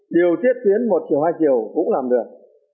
điều tiết tuyến một chiều hai chiều cũng làm được